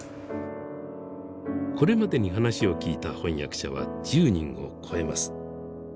これまでに話を聞いた翻訳者は１０人を超えます。